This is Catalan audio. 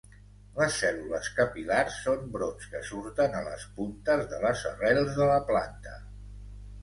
Les cèl·lules capil·lars són brots que surten a les puntes de les arrels de la planta.